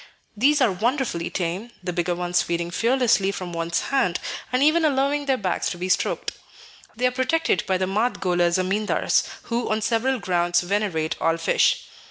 These are wonderfully tame, the bigger ones feeding fearlessly from one's hand, and even allowing their backs to be stroked. They are protected by the Madgole zamindars, who on several grounds venerate all fish.